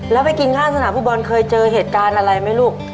แล้วไปกินข้างสนามฟุตบอลเคยเจอเหตุการณ์อะไรไหมลูก